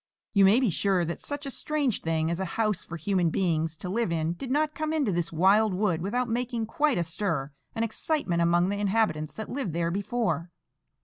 You may be sure that such a strange thing as a house for human beings to live in did not come into this wild wood without making quite a stir and excitement among the inhabitants that lived there before.